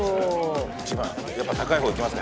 やっぱ高い方いきますか？